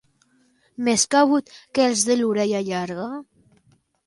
Més cabut que els de l'orella llarga.